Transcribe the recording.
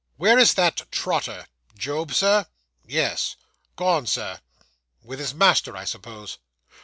'Where is that Trotter?' 'Job, sir?' 'Yes. 'Gone, sir.' 'With his master, I suppose?